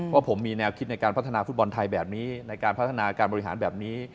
ว่าผมมีแนวคิดในการพัฒนาฟุตบอลไทยแบบนี้ในการพัฒนาการบริหารแบบนี้